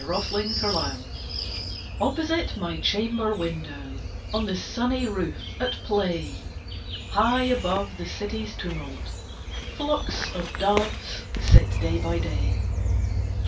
Louisa May Alcott My Doves OPPOSITE my chamber window, On the sunny roof, at play, High above the city's tumult, Flocks of doves sit day by day.